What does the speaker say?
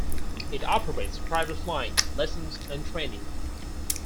It operates private flying, lessons and training.